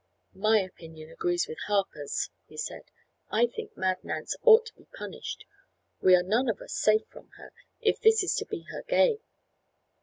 "My opinion agrees with Harper's," he said. "I think Mad Nance ought to be punished. We are none of us safe from her, if this is to be her game."